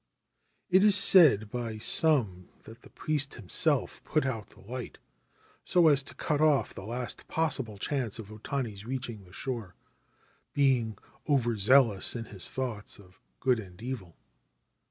< It is said by some that the priest himself put out the light, so as to cut off the last possible chance of O Tani's reaching the shore, being over zealous in his thoughts of good and evil.